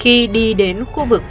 khi đi đến khu vực